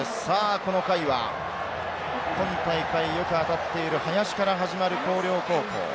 さあこの回は今大会よく当たっている林から始まる広陵高校。